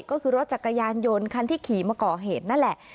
ก็คือรถจักรยานยนต์คันที่ขี่มาก่อเหตุนั่นแหละ